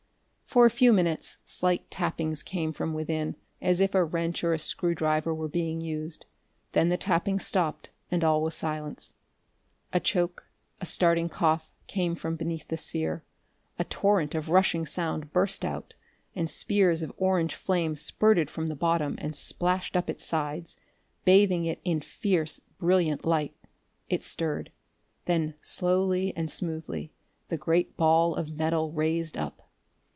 For a few minutes slight tappings came from within, as if a wrench or a screwdriver were being used. Then the tappings stopped, and all was silence. A choke, a starting cough, came from beneath the sphere. A torrent of rushing sound burst out, and spears of orange flame spurted from the bottom and splashed up its sides, bathing it in fierce, brilliant light. It stirred. Then, slowly and smoothly, the great ball of metal raised up.